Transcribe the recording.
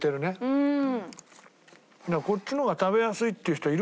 うん。